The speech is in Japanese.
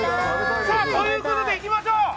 ということでいきましょう！